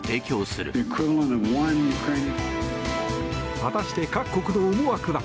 果たして各国の思惑は。